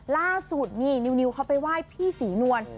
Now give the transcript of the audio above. ล่าสุดนี่นิวเขาไปไหว้พี่ศรีนวล